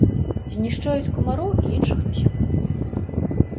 Знішчаюць камароў і іншых насякомых.